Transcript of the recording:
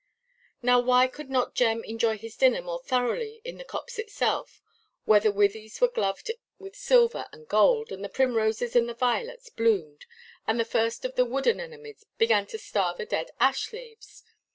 Now why could not Jem enjoy his dinner more thoroughly in the copse itself, where the witheys were gloved with silver and gold, and the primroses and the violets bloomed, and the first of the wood–anemones began to star the dead ash–leaves?